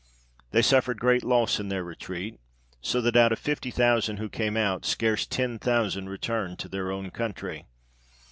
They suffered great loss in their retreat, so that out of fifty thousand who came out, scarce ten thousand returned to their own country.